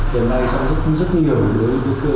hiện nay trong rất nhiều